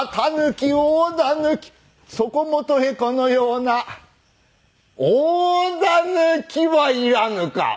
そこもとへこのような大狸はいらぬか。